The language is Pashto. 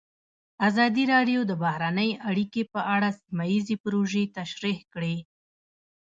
ازادي راډیو د بهرنۍ اړیکې په اړه سیمه ییزې پروژې تشریح کړې.